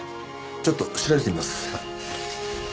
ちょっと調べてみます。